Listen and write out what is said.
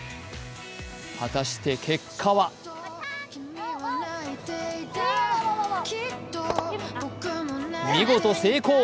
果たして結果は見事成功。